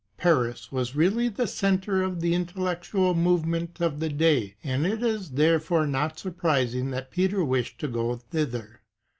Paris was really the centre of the intellectual movement of the day, and it is there fore not surprising that Peter wished to go thither.